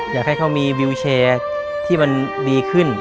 อยากให้เขามีวิวแชร์ที่มันดีขึ้น